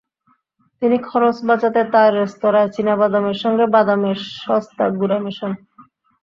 তিনি খরচ বাঁচাতে তাঁর রেস্তোরাঁয় চীনাবাদামের সঙ্গে বাদামের সস্তা গুঁড়া মেশান।